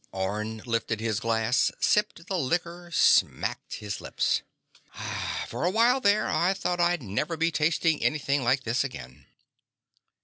Orne lifted his glass, sipped the liquor, smacked his lips. "For a while there, I thought I'd never be tasting anything like this again."